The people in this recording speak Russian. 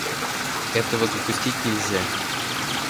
Этого допустить нельзя.